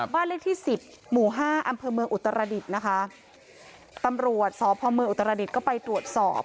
บ้านเลขที่๑๐หมู่๕อำเภอเมืองอุตรรดิษฐ์ตำรวจสพอุตรรดิษฐ์ก็ไปตรวจสอบ